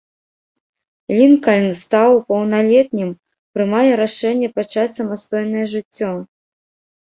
Лінкальн, стаў паўналетнім, прымае рашэнне пачаць самастойнае жыццё.